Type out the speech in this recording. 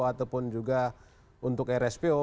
ataupun juga untuk rspo